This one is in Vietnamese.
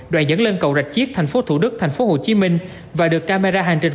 đoạn dẫn lên cầu rạch chiếc tp thủ đức tp hcm và được camera hành trình